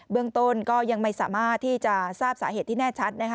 เรื่องต้นก็ยังไม่สามารถที่จะทราบสาเหตุที่แน่ชัดนะคะ